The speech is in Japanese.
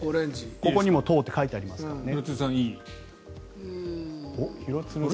ここにも糖って書いてありますからね。